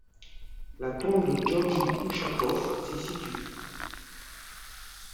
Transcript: La tombe de Georgy Ushakov s'y situe.